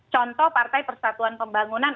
contoh partai persatuan pembangunan